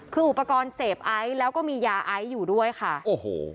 คืออุปกรณ์เสพไอซ์แล้วก็มียาไอซ์อยู่ด้วยค่ะโอ้โห